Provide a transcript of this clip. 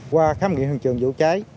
qua khám nghiệm hình trường vụ cháy